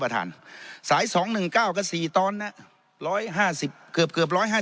สายสองหนึ่งเก้าก็สี่ตอนน่ะร้อยห้าสิบเกือบเกือบร้อยห้า